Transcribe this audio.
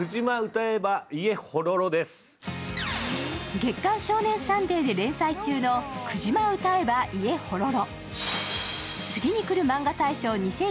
「月刊少年サンデー」で連載中の「クジマ歌えば家ほろろ」。